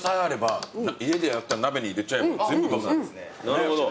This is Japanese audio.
なるほど。